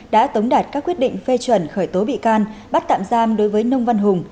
đã tống đạt các quyết định phê chuẩn khởi tố bị can bắt tạm giam đối với nông văn hùng